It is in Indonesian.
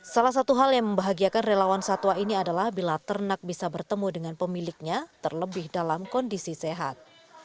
salah satu hal yang membahagiakan relawan satwa ini adalah bila ternak bisa bertemu dengan pemiliknya terlebih dalam kondisi sehat